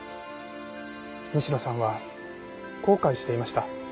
西野さんは後悔していました。